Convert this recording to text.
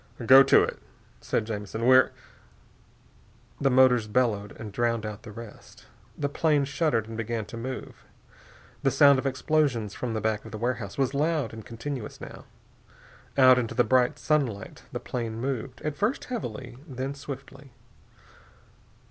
"Go to it," said Jamison. "We're " The motors bellowed and drowned out the rest. The plane shuddered and began to move. The sound of explosions from the back of the warehouse was loud and continuous, now. Out into the bright sunlight the plane moved, at first heavily, then swiftly....